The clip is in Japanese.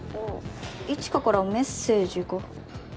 一華からメッセージが。